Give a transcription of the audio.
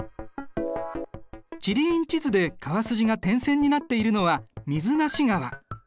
地理院地図で川筋が点線になっているのは水無川。